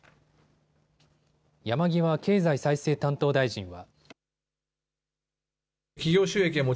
山際経済再生担当大臣は。